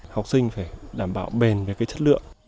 học sinh phải đảm bảo bền về chất lượng